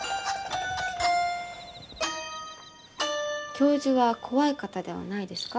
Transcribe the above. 教授は怖い方ではないですか？